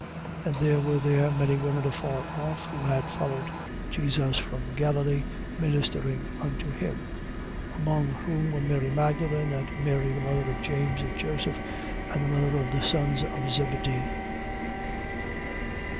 27:55. And there were there many women afar off, who had followed Jesus from Galilee, ministering unto him: 27:56. Among whom was Mary Magdalen and Mary the mother of James and Joseph and the mother of the sons of Zebedee.